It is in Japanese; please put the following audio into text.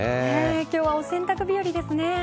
今日は、お洗濯日和ですね。